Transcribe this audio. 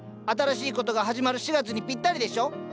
新しいことが始まる４月にぴったりでしょ。